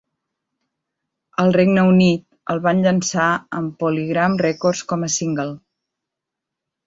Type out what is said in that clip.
Al Regne Unit el van llançar amb PolyGram Records com a single.